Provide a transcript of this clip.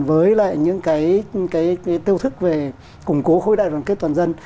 với lại những cái tiêu thức về củng cố khối đại đoàn kết toàn dân